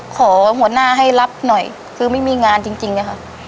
หัวหน้าให้รับหน่อยคือไม่มีงานจริงอะค่ะ